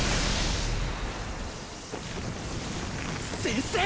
先生！